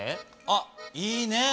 あっいいねえ。